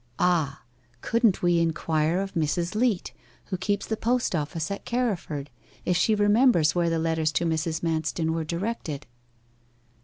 Ah! couldn't we inquire of Mrs. Leat, who keeps the post office at Carriford, if she remembers where the letters to Mrs. Manston were directed?